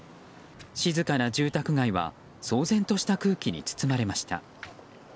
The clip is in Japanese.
静かな住宅街は騒然とした空気に包まれました。